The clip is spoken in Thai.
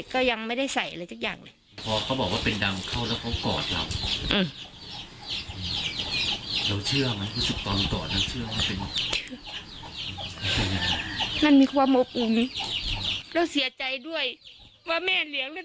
ก็อยู่ด้วยกันมาได้๗๘ปีแล้วเนอะ